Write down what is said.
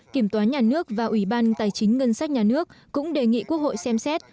kiểm toán nhà nước và ủy ban tài chính ngân sách nhà nước cũng đề nghị quốc hội xem xét